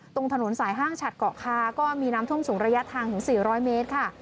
ตรงถนนสายห้างฉัดเกาะคาก็มีน้ำท่วมสูงระยะทางถึง๔๐๐เมตรค่ะ